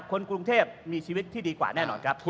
คนกรุงเทพมีชีวิตที่ดีกว่าแน่นอนครับ